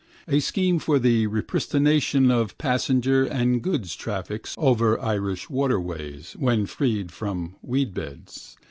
A scheme for the repristination of passenger and goods traffics over Irish waterways, when freed from weedbeds.